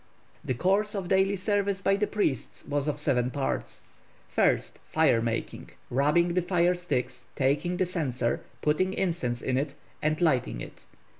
The course of daily service by the priests was of seven parts. 1st. Fire making rubbing the fire sticks, taking the censer, putting incense in it, and lighting it.